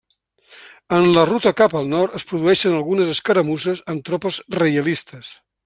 En la ruta cap al nord es produeixen algunes escaramusses amb tropes reialistes.